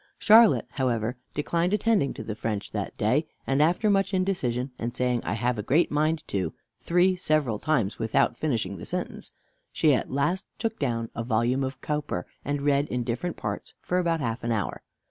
Charlotte, however, declined attending to French that day, and after much indecision, and saying "I have a great mind to" three several times without finishing the sentence, she at last took down a volume of Cowper, and read in different parts for about half an hour.